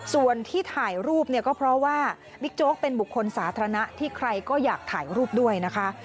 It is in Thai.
ส่วนที่ถ่ายรูปเนี่ยก็เพราะว่าบิ๊กโจ๊กเป็นบุคคลสาธารณะที่ใครก็อยากถ่ายรูปด้วยนะคะ